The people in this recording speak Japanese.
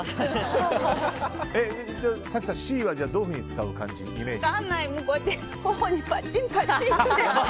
早紀さん、Ｃはどういうふうに使うイメージで？